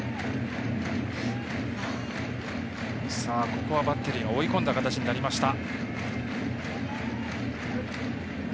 ここはバッテリー追い込んだ形になりました。